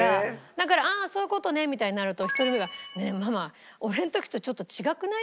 だからああそういう事ねみたいになると１人目が「ねえママ俺の時とちょっと違くない？」